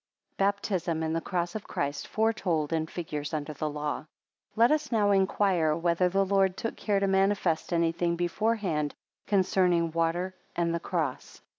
Baptism and the cross of Christ foretold in figures under the law. LET us now inquire whether the Lord took care to manifest anything beforehand concerning water and the cross.